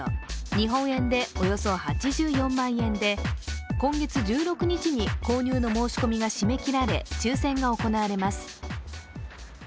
日本円でおよそ８４万円で今月１６日に購入の申し込みが締め切られ、抽選が行われます。